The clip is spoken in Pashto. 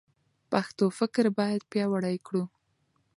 پښتو فکر باید پیاوړی کړو.